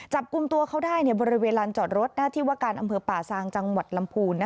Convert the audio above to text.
จับกลุ่มตัวเขาได้บริเวณลานจอดรถหน้าที่ว่าการอำเภอป่าซางจังหวัดลำพูน